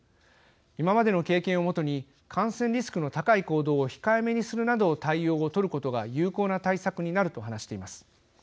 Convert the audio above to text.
今までの経験をもとに感染リスクの高い行動を控えめにするなどの対応をとることが有効な対策になる」と話しています。